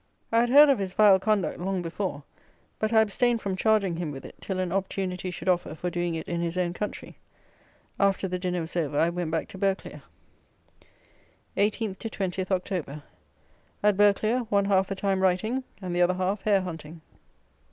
I had heard of his vile conduct long before; but I abstained from charging him with it till an opportunity should offer for doing it in his own country. After the dinner was over I went back to Burghclere. 18 to 20 October. At Burghclere, one half the time writing, and the other half hare hunting.